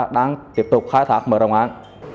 đang tiếp tục khai thác mở rộng án